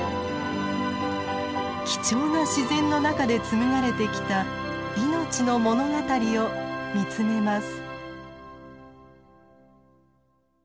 貴重な自然の中で紡がれてきた命の物語を見つめます。